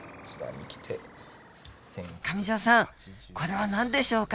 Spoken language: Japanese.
上條さんこれは何でしょうか？